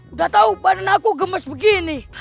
udah tau pan aku gemes begini